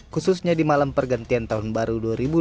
khususnya di malam pergantian tahun baru dua ribu dua puluh